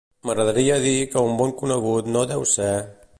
M'agradaria dir que un bon conegut no deu ser….